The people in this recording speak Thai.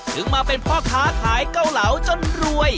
ถึงมาเป็นพ่อค้าขายเกาเหลาจนรวย